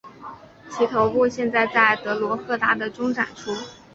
其头部现在在德罗赫达的中展出。